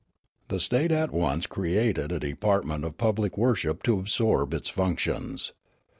The state at once created a department of public worship to absorb its functions.